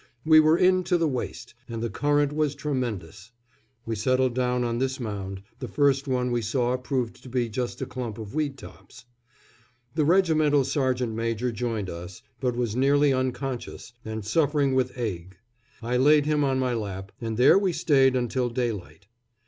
We were in to the waist, and the current was tremendous. We settled down on this mound the first one we saw proved to be just a clump of weed tops. The regimental sergeant major joined us, but was nearly unconscious, and suffering with ague. I laid him on my lap, and there we stayed until daylight.